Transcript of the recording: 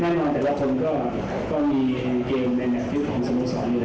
แน่นอนแต่ละคนก็มีเกมในแบบที่ของสมุทรสอนอยู่แล้วนะครับ